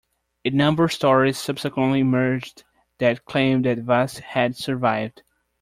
A number of stories subsequently emerged that claimed that Vasse had survived.